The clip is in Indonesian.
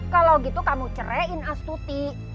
kalau gitu kamu cerain as tuti